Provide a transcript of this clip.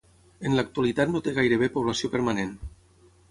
En l'actualitat no té gairebé població permanent.